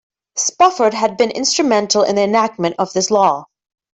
Spofford had been instrumental in the enactment of this law.